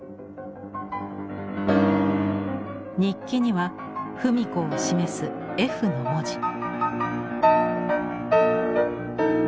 日記には芙美子を示す「Ｆ」の文字。